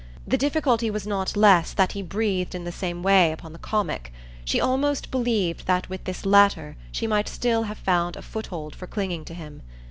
The difficulty was not less that he breathed in the same way upon the comic: she almost believed that with this latter she might still have found a foothold for clinging to him.